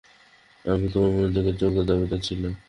আমিই তোমার মনোযোগের যোগ্য দাবিদার ছিলাম।